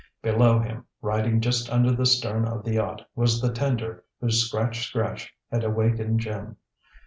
Below him, riding just under the stern of the yacht, was the tender whose scratch scratch had awakened Jim.